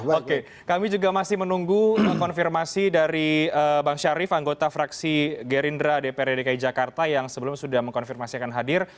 oke kami juga masih menunggu konfirmasi dari bang syarif anggota fraksi gerindra dprd dki jakarta yang sebelumnya sudah mengkonfirmasi akan hadir